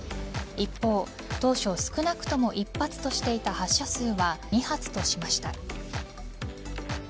一方、当初少なくとも１発としていた発射数は２発としました。